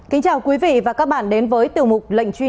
kính chào quý vị và các bạn đến với tiểu mục lệnh truy nã